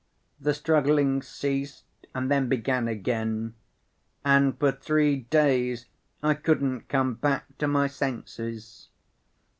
The struggling ceased and then began again, and for three days I couldn't come back to my senses.